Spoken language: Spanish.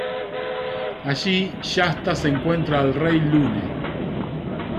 Allí, Shasta encuentra al Rey Lune.